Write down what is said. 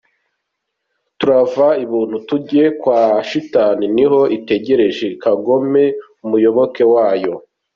Turavaibuntu tujya kwashitani niho itegereje kagome umuyoboke wayo